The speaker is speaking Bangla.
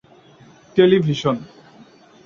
টেলিভিশন